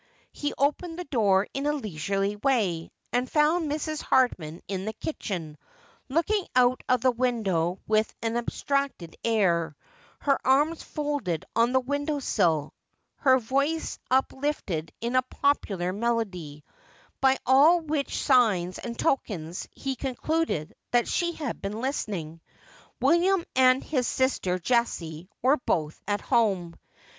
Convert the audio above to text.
He opened the door in a leisurely way, and found Mrs. Hardmau in the kitchen, looking out of the window with an abstracted air, her arms folded on the window sill, her voice up lifted in a popular melody ; by all which signs and tokens he concluded that she had been listening. William and his sister Jessie were both at home.